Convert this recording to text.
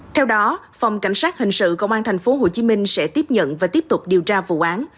theo đó phòng cảnh sát hình sự công an tp hcm sẽ tiếp nhận và tiếp tục điều tra vụ án